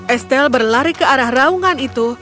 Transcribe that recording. estel berlari ke arah raungan itu